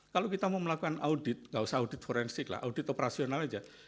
kalau kita mau melakukan audit nggak usah audit forensik lah audit operasional aja